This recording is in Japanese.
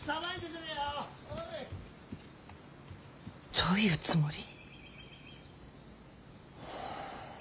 どういうつもり。